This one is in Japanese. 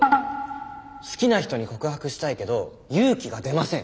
「好きな人に告白したいけど勇気が出ません」。